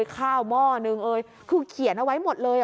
ข้าวหม้อหนึ่งคือเขียนเอาไว้หมดเลย